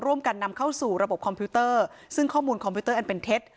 นำเข้าสู่ระบบคอมพิวเตอร์ซึ่งข้อมูลคอมพิวเตอร์อันเป็นเท็จ